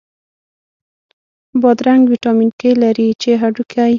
بادرنګ ویټامین K لري، چې هډوکی